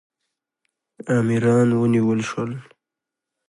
امیران ونیول شول.